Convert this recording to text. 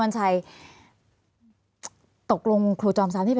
ภารกิจสรรค์ภารกิจสรรค์